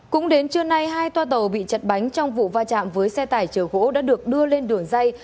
cũng đến trưa nay hai toa tàu bị chật bánh trong vụ va chạm với xe tải chở gỗ đã được đưa lên đường dây